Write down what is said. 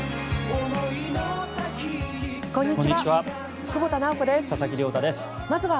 こんにちは。